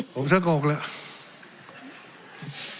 ผมจะโกรธแล้ว